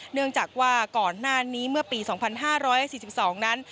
เนื่องจากว่าก่อนหน้านี้เมื่อปี๒๕๔๒นั้น